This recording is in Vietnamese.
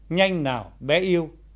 nhanh nào bé yêu